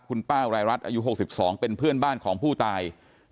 คุณป้ารายรัฐอายุ๖๒เป็นเพื่อนบ้านของผู้ตาย